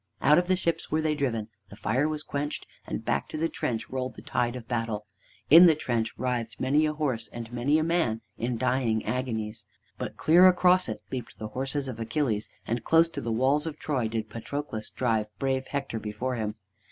Out of the ships were they driven, the fire was quenched, and back to the trench rolled the tide of battle. In the trench writhed many a horse and many a man in dying agonies. But clear across it leaped the horses of Achilles, and close to the walls of Troy did Patroclus drive brave Hector before him.